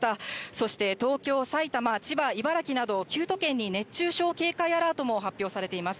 そして東京、埼玉、千葉、茨城など、９都県に熱中症警戒アラートも発表されています。